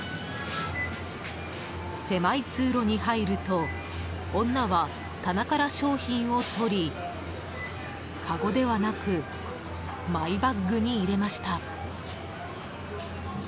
狭い通路に入ると女は棚から商品を取りかごではなくマイバッグに入れました。